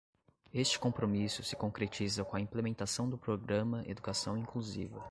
Este compromisso se concretiza com a implementação do Programa Educação Inclusiva